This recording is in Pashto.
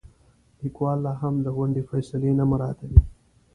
لیکوال لاهم د غونډې فیصلې نه مراعاتوي.